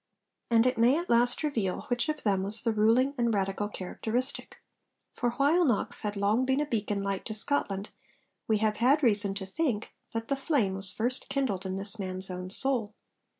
And it may at least reveal which of them was the ruling and radical characteristic. For while Knox had long been a beacon light to Scotland, we have had reason to think that the flame was first kindled in this man's own soul.